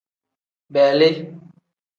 Beeli.